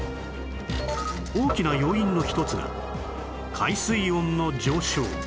大きな要因の一つが海水温の上昇